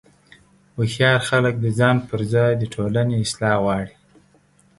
هوښیار خلک د ځان پر ځای د ټولنې اصلاح غواړي.